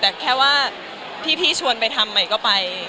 แต่แค่ว่าพี่ชวนไปทำใหม่ก็ไป